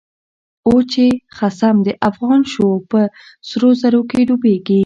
اوس چی خصم د افغان شو، په سرو زرو کی ډوبيږی